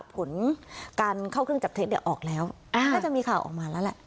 ผลการเข้าเครื่องจับเท็จออกแล้วน่าจะมีข่าวออกมาแล้วแหละ